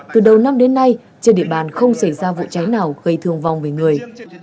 từ đầu năm đến nay trên địa bàn không xảy ra vụ cháy nào gây thương vong về người